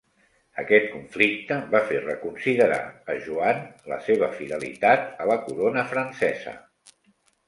Aquest conflicte va fer reconsiderar a Joan la seva fidelitat a la corona francesa.